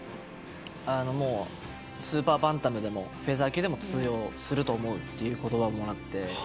スーパーバンタムでもフェザー級でも通用すると思うという言葉をもらって。